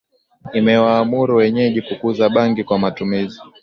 imewaamuru wenyeji kukuza bangi kwa matumizi